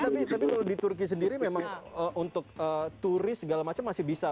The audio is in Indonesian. tapi kalau di turki sendiri memang untuk turis segala macam masih bisa